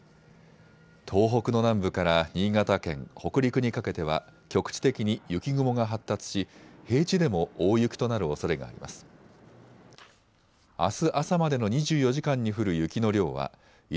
東北の南部から新潟県、北陸にかけては局地的に雪雲が発達し平地でも大雪となるおそれがあります。